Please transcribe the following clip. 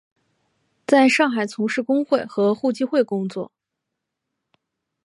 在上海从事工会和互济会工作。